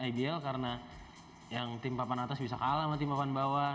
ibl karena yang tim papan atas bisa kalah sama tim papan bawah